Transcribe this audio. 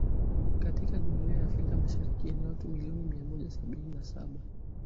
katika Jumuiya ya Afrika Mashariki yenye watu milioni mia Mmoja sabini na saba